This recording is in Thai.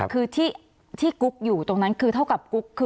คือที่กุ๊กอยู่ตรงนั้นคือเท่ากับกุ๊กคือ